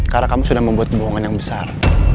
karena kamu sudah membuat kebohongan yang besar